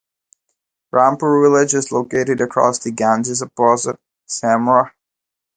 Rampur village is located across the Ganges opposite Semra.